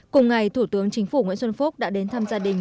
cùng ngày thủ tướng chính phủ nguyễn xuân phúc đã đến thăm gia đình